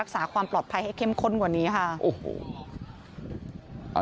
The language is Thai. รักษาความปลอดภัยให้เข้มข้นกว่านี้ค่ะ